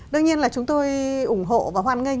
đương nhiên là chúng tôi ủng hộ và hoan nghênh